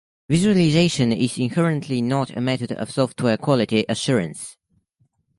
Visualization is inherently not a method for software quality assurance.